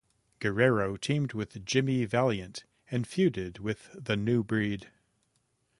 Guerrero teamed with Jimmy Valiant and feuded with the New Breed.